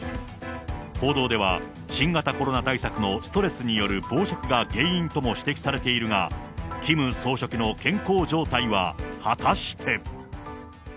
報道では、新型コロナ対策のストレスによる暴食が原因とも指摘されているが、キム総書記の健康状態は果たして。